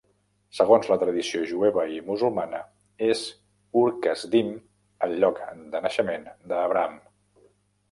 Segons la tradició jueva i musulmana, és Ur Kasdim, el lloc de naixement d'Abraham.